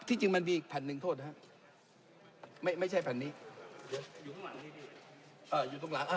ที่จริงมันมีแผ่นหนึ่งโทษนะครับไม่ไม่ใช่แผ่นนี้อยู่ข้างหลังนี่ดิ